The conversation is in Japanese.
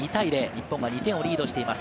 日本が２点をリードしています。